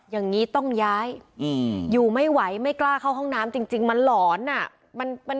อย่างนี้ต้องย้ายอยู่ไม่ไหวไม่กล้าเข้าห้องน้ำจริงมันหลอนอ่ะ